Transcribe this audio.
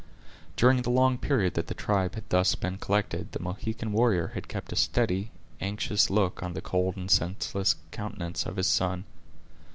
During the long period that the tribe had thus been collected, the Mohican warrior had kept a steady, anxious look on the cold and senseless countenance of his son.